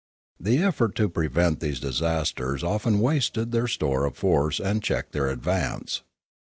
The effort to prevent these disasters often wasted their store of force and checked their advance.